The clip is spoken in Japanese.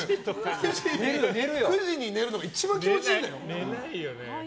９時に寝るのが一番気持ちいいんだよ。